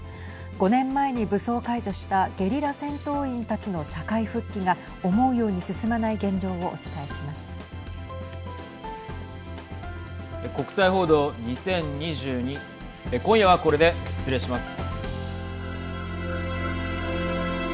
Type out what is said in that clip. ５年前に武装解除したゲリラ戦闘員たちの社会復帰が思うように進まない現状をお伝えします。